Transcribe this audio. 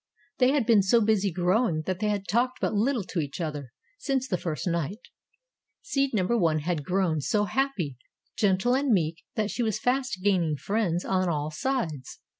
They had been so busy growing that they had talked but little to each other since the first night. Seed number One had grown so happy, gentle and meek that she was fast gaining friends on all sides.